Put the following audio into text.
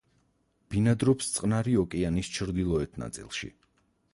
ბინადრობს წყნარი ოკეანის ჩრდილოეთ ნაწილში.